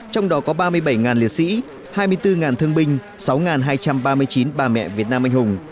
trong đó có ba mươi bảy liệt sĩ hai mươi bốn thương binh sáu hai trăm ba mươi chín bà mẹ việt nam anh hùng